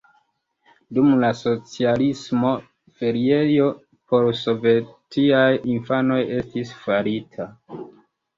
Dum la socialismo feriejo por sovetiaj infanoj estis farita.